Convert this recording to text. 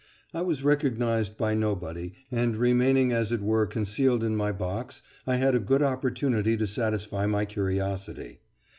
I was recognised by nobody, and remaining as it were concealed in my box, I had a good opportunity to satisfy my curiosity.